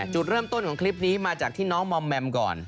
จุดเริ่มต้นของคลิปนี้มาจากที่น้องมอมแมมก่อน